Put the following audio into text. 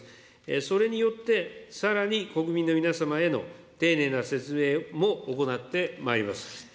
それによって、さらに国民の皆様への丁寧な説明も行ってまいります。